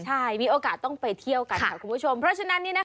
ใช่มีโอกาสต้องไปเที่ยวกันค่ะคุณผู้ชมเพราะฉะนั้น